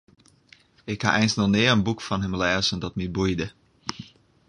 Ik ha eins noch nea in boek fan him lêzen dat my boeide.